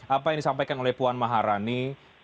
apa yang disampaikan oleh puan maharani